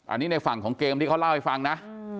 อันนี้ในฝั่งของเกมที่เขาเล่าให้ฟังนะ